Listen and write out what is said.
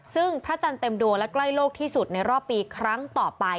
ซึ่งพระจันทร์เต็มดวงและใกล้โลกที่สุดในรอบปีครั้งต่อไป